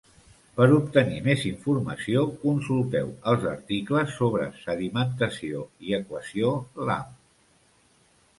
Per obtenir més informació, consulteu els articles sobre sedimentació i equació Lamm.